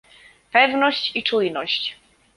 Pewność i czujność